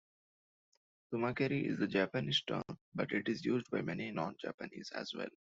Tamakeri is the Japanese term, but it is used by many non-Japanese as well.